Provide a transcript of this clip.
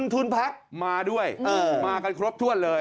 ทุนพักมาด้วยมากันครบถ้วนเลย